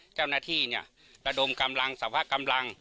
เจ้าหน้าที่เนี่ยระดมกำลังสาวภาคกำลัง